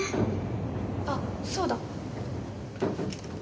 あっそうだ。